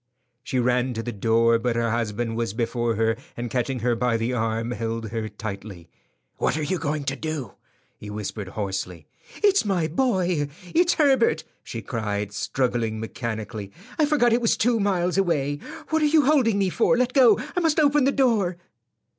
She ran to the door, but her husband was before her, and catching her by the arm, held her tightly. "What are you going to do?" he whispered hoarsely. "It's my boy; it's Herbert!" she cried, struggling mechanically. "I forgot it was two miles away. What are you holding me for? Let go. I must open the door."